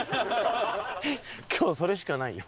今日それしかないん？